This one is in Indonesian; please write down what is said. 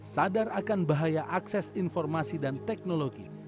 sadar akan bahaya akses informasi dan teknologi